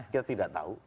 kita tidak tahu